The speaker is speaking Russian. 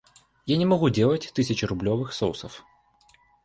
Я не могу делать тысячерублевых соусов.